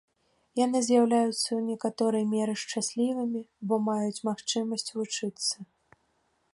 Яны з'яўляюцца ў некаторай меры шчаслівымі, бо маюць магчымасць вучыцца.